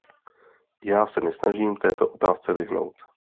Já se nesnažím této otázce vyhnout.